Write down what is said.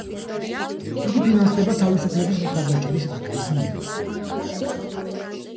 იგი ფინანსდება თავისუფლების მხარდაჭერის აქტის მიერ.